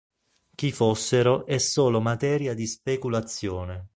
Chi fossero è solo materia di speculazione.